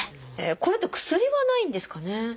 これって薬はないんですかね。